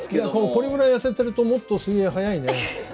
これぐらい痩せてるともっと水泳速いね。